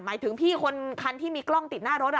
หมายถึงคนที่มีกล้องติดหน้ารถ